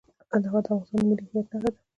کندهار د افغانستان د ملي هویت نښه ده.